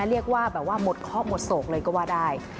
เรียกว่าหมดคอบหมดโศกเลยก็ว่าได้